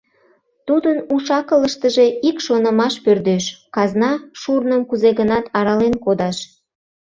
Тудын уш-акылыштыже ик шонымаш пӧрдеш: «Казна шурным кузе-гынат арален кодаш».